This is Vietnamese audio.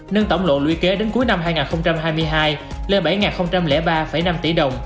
nâng tổng lộ lũy kế đến cuối năm hai nghìn hai mươi hai lên bảy ba năm tỷ đồng